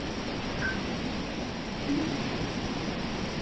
İkimiz için de.